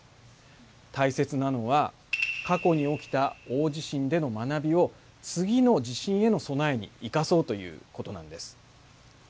大切なのは過去に起きた大地震での学びを次の地震への備えに生かそうということなんです。